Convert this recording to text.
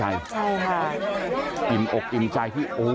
อิ่มอกอิ่มใจ